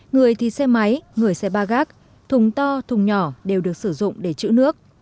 người thì xe máy người xe ba gác thùng to thùng nhỏ đều được sử dụng để chữ nước